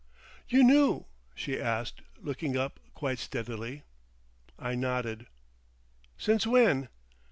"You knew?"—she asked, looking up, quite steadily. I nodded. "Since when?"